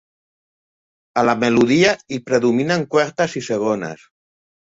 A la melodia hi predominen quartes i segones.